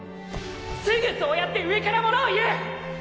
すぐそうやって上からものを言う！